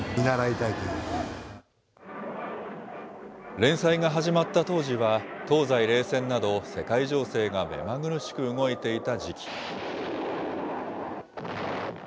連載が始まった当時は、東西冷戦など、世界情勢が目まぐるしく動いていた時期。